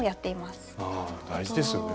大事ですよね。